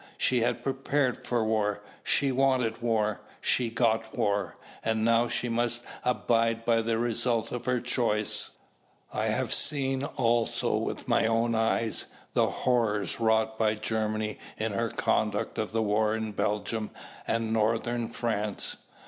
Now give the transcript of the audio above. She had prepared for war, she wanted war, she got war. And now she must abide by the result of her choice. I have seen also with my own eyes the horrors wrought by Germany in her conduct of the war in Belgium and Northern France.